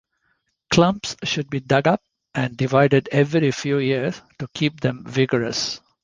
Clumps should be dug up and divided every few years to keep them vigorous.